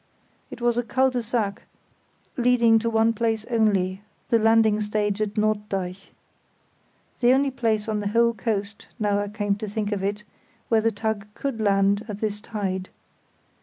It was a cul de sac leading to one place only, the landing stage at Norddeich. The only place on the whole coast, now I came to think of it, where the tug could land at this tide.